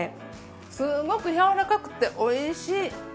すごくやわらかくておいしい！